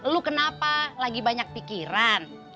lu kenapa lagi banyak pikiran